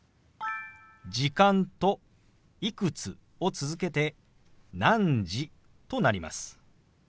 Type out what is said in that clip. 「時間」と「いくつ」を続けて「何時」となります。